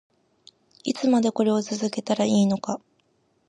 いつまでこれを続けたらいいのか